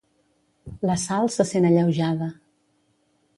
La Sal se sent alleujada.